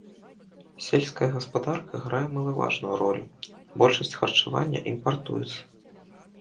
Сельская гаспадарка грае малаважную ролю, большасць харчавання імпартуецца.